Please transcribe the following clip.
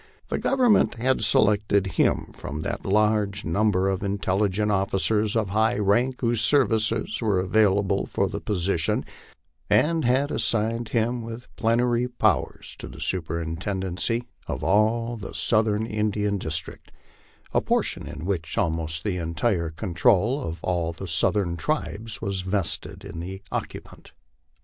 The Government had selected him from the large number of intelligent officers of high rank whose services were available for the position, and had assigned him with plenary powers to the superintenden cy of the Southern Indian District, a position in which almost the entire con trol of all the southern tribes was vested in the occupant.